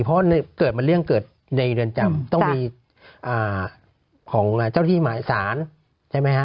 เพราะเกิดมันเรื่องเกิดในเรือนจำต้องมีของเจ้าที่หมายสารใช่ไหมฮะ